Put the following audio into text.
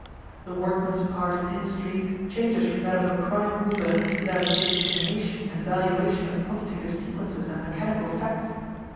The workman's part in industry changes from that of a prime mover to that of discrimination and valuation of quantitative sequences and mechanical facts.